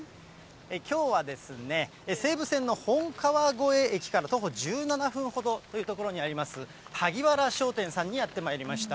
きょうはですね、西武線の本川越駅から徒歩１７分ほどという所にあります、萩原商店さんにやってまいりました。